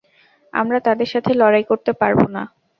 আমরা তাদের সাথে লড়াই করতে পারবো না।